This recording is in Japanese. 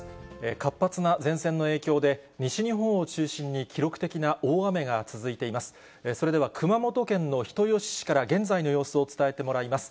活発な前線の影響で、西日本を中心に記録的な大雨が続いています。